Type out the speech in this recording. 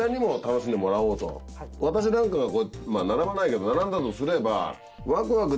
私なんかが並ばないけど並んだとすれば。